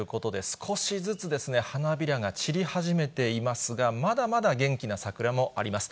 少しずつ花びらが散り始めていますが、まだまだ元気な桜もあります。